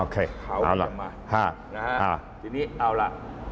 เขาเรียกมาทีนี้เอาละ